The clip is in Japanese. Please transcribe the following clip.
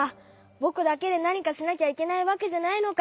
ぼくだけでなにかしなきゃいけないわけじゃないのか。